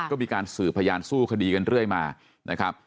ก็มีการสืบพยานสู้คดีกันเรื่อยมานะครับ